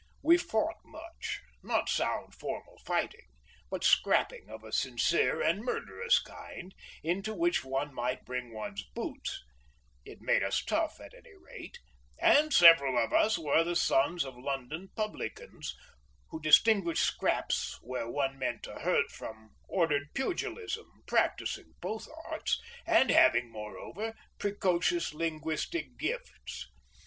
We fought much, not sound formal fighting, but "scrapping" of a sincere and murderous kind, into which one might bring one's boots—it made us tough at any rate—and several of us were the sons of London publicans, who distinguished "scraps" where one meant to hurt from ordered pugilism, practising both arts, and having, moreover, precocious linguistic gifts.